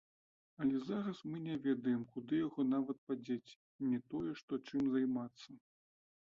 Але зараз мы не ведаем, куды яго нават падзець, не тое што чым займацца.